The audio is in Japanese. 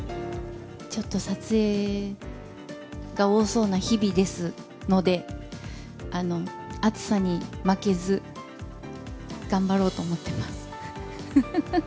ちょっと撮影が多そうな日々ですので、暑さに負けず頑張ろうと思ってます。